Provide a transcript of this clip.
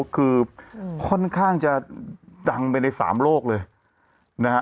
คือค่อนข้างจะดังไปในสามโลกเลยนะฮะ